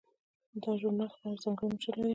دا ژورنال خپل ځانګړی مشر لري.